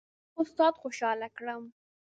هم استاد خوشحاله کړم.